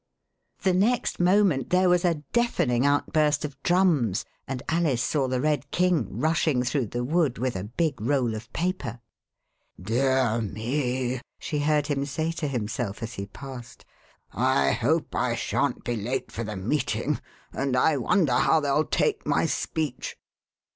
The next moment there was a deafening outburst of drums, and Alice saw the Red King rushing through the wood with a big roll of paper. Dear me !" she heard him say to himself as he passed, I hope I shan't be late for the meeting, and I wonder how they'll take my speech."